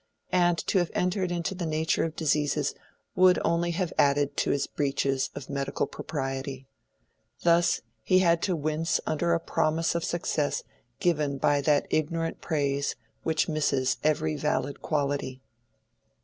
And to have entered into the nature of diseases would only have added to his breaches of medical propriety. Thus he had to wince under a promise of success given by that ignorant praise which misses every valid quality.